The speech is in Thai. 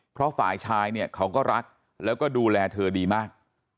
เพราะฝ่ายชายเนี่ยเขาก็รักแล้วก็ดูแลเธอดีมาก